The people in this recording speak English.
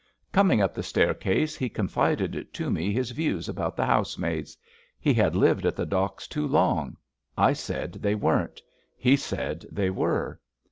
Coming up the staircase he confided to me his views about the housemaids. He had lived at the docks too long. I said they weren't. He said they were.